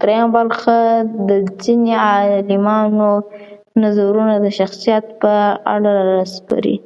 درېیمه برخه د ځينې عالمانو نظرونه د شخصیت په اړه راسپړي.